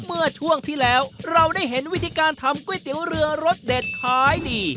เมื่อช่วงที่แล้วเราได้เห็นวิธีการทำก๋วยเตี๋ยวเรือรสเด็ดขายดี